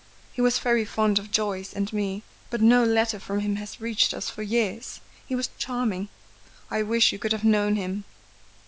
He was very fond of Joyce and me; but no letter from him has reached us for years. He was charming. I wish you could have known him."